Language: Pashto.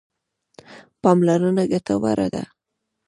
پاملرنه ګټوره ده.